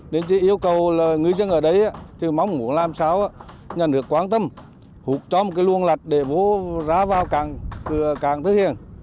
nên chỉ yêu cầu người dân ở đấy chứ mong muốn làm sao nhà nước quan tâm hút cho một cái luồng lạch để vô ra vào càng tư hiền